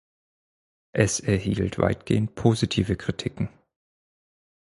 Es erhielt weitgehend positive Kritiken.